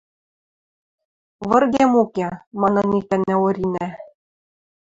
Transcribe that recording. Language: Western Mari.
— Выргем уке, — манын икӓнӓ Оринӓ.